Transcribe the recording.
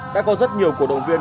đã có rất nhiều cổ động viên